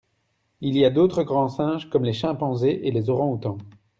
Il y a d'autres grands singes comme les chimpanzés et les orangs-outans.